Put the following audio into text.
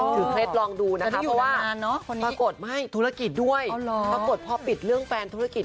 เคล็ดลองดูนะคะเพราะว่าปรากฏไม่ธุรกิจด้วยปรากฏพอปิดเรื่องแฟนธุรกิจ